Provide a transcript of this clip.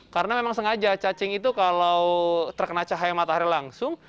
karena memang sengaja cacing itu kalau terkena cahaya matahari langsung